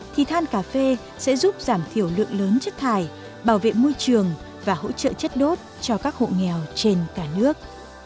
thì than cà phê sẽ giúp giảm thiểu lượng lớn chất thải bảo vệ môi trường và hỗ trợ chất đốt cho các hộ nghèo trên cả nước